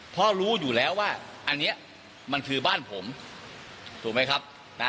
เพราะรู้อยู่แล้วว่าอันนี้มันคือบ้านผมถูกไหมครับนะ